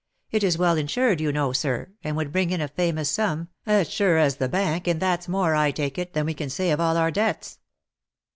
" It is well insured you know, sir, and would bring in a famous sum, as sure as the bank, and that's more, I take it, than we can say of all our debts."